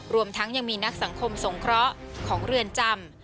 รวมทั้งยังมีนักสังคมสงเคราะห์ของเรือนจำ